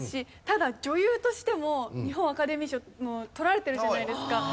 ただ女優としても日本アカデミー賞とられてるじゃないですか。